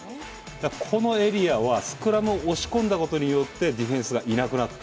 このエリアはスクラムを押し込んだことによってディフェンスがいなくなった。